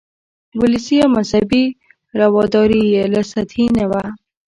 ولسي او مذهبي رواداري یې له سطحې نه وه.